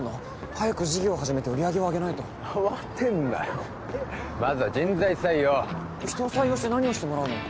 早く事業を始めて売上をあげないと慌てんなよまずは人材採用人を採用して何をしてもらうの？